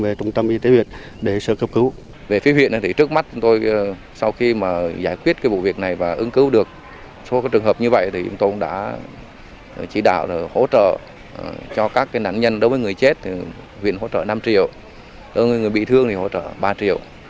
về phía huyện thì trước mắt tôi sau khi mà giải quyết cái vụ việc này và ứng cứu được số trường hợp như vậy thì tôi đã chỉ đạo hỗ trợ cho các nạn nhân đối với người chết huyện hỗ trợ năm triệu đối với người bị thương thì hỗ trợ ba triệu